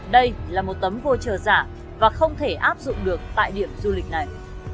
đây là một tấm voucher giảm và không thể áp dụng được tại điểm du lịch này